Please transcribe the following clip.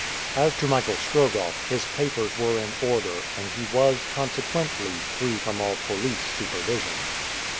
As to Michael Strogoff, his papers were in order, and he was, consequently, free from all police supervision.